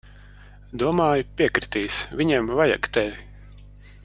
Domāju, piekritīs. Viņiem vajag tevi.